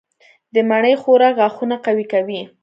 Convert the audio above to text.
د مڼې خوراک غاښونه قوي کوي.